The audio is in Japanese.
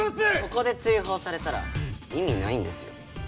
ここで追放されたら意味ないんですよ。